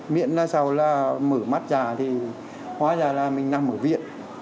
miệng là sao là mở mắt ra thì hóa ra là mình nằm ở viện